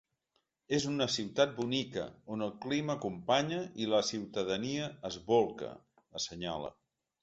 “És una ciutat bonica, on el clima acompanya i la ciutadania es bolca”, assenyala.